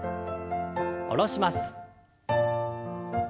下ろします。